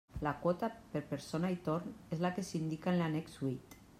La quota, per persona i torn, és la que s'indica en l'annex huit.